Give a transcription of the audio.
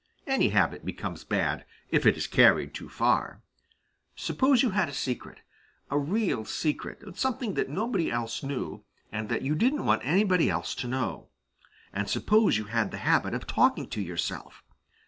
Any habit becomes bad, if it is carried too far. Suppose you had a secret, a real secret, something that nobody else knew and that you didn't want anybody else to know. And suppose you had the habit of talking to yourself.